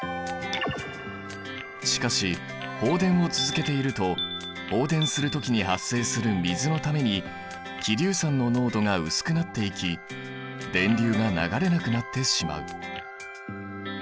しかし放電を続けていると放電する時に発生する水のために希硫酸の濃度が薄くなっていき電流が流れなくなってしまう。